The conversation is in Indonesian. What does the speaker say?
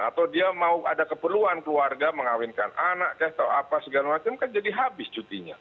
atau dia mau ada keperluan keluarga mengawinkan anak atau apa segala macam kan jadi habis cutinya